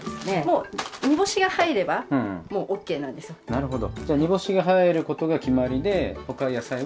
なるほど。